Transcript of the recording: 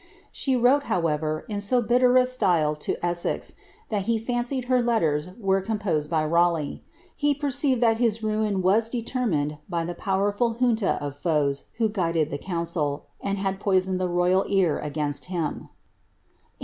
She wrote, however, in so bitter a style to Essex, that he fancied her letters were composed by Raleigh. He perceived that his ruin was determined by the powerful junta of foes who guided the council, and had poisoned the royal ear against him.